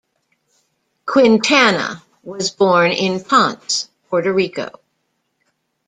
Quintana was born in Ponce, Puerto Rico.